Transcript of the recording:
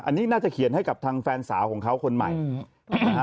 อันนี้น่าจะเขียนให้กับทางแฟนสาวของเขาคนใหม่นะฮะ